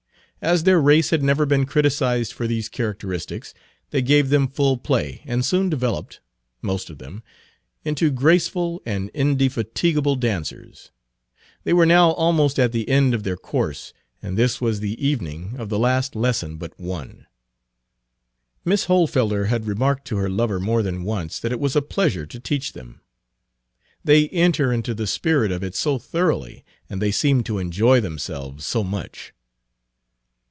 As their race had never been criticised for these characteristics, they gave them full play, and soon developed, most of them, into graceful and indefatigable dancers. They were now almost at the end of their course, and this was the evening of the last lesson but one. Miss Hohlfelder had remarked to her lover more than once that it was a pleasure to teach them. "They enter into the spirit of it so thoroughly, and they seem to enjoy themselves so much."